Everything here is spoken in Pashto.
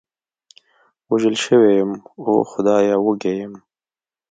وژل شوی یم، اوه خدایه، وږی یم.